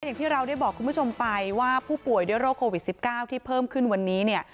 อย่างที่เราได้บอกคุณผู้ชมไปว่าผู้ป่วยด้วยโรคโควิด๑๙ที่เพิ่มขึ้นวันนี้เนี่ย